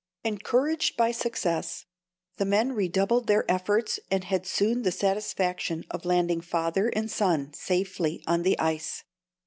Encouraged by success, the men redoubled their efforts, and had soon the satisfaction of landing father and son safely on the ice.